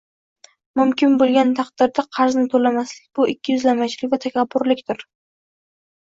Mumkin bo'lgan taqdirda qarzni to'lamaslik - bu ikkiyuzlamachilik va takabburlikdir